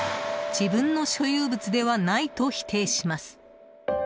自分の所有物ではないと否定します。